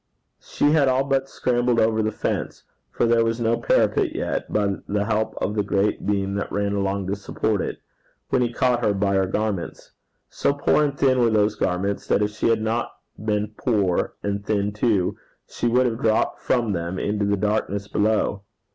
She had all but scrambled over the fence for there was no parapet yet by the help of the great beam that ran along to support it, when he caught her by her garments. So poor and thin were those garments, that if she had not been poor and thin too, she would have dropped from them into the darkness below.